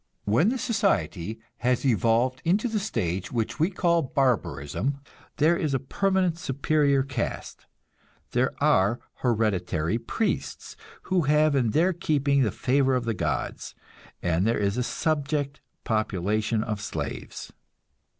When the society has evolved into the stage which we call barbarism, there is a permanent superior caste; there are hereditary priests, who have in their keeping the favor of the gods; and there is a subject population of slaves.